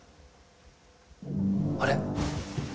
あれ？